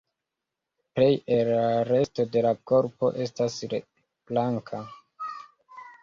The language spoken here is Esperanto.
Plej el la resto de la korpo estas blanka.